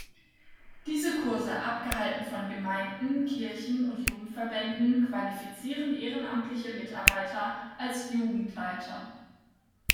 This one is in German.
Diese Kurse, abgehalten von Gemeinden, Kirchen und Jugendverbänden, qualifizieren ehrenamtliche Mitarbeiter als Jugendleiter.